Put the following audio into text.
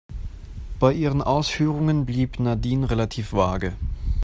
Bei ihren Ausführungen blieb Nadine relativ vage.